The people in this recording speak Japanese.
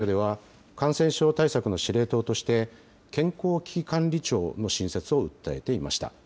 先の総裁選挙では、感染症対策の司令塔として、健康危機管理庁の新設を訴えていました。